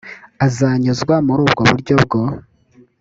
azanyuzwa muri ubwo buryo bwo